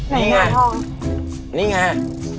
นี่ไงนี่ไง